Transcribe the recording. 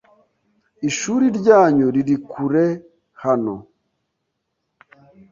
Ishuri ryanyu riri kure hano?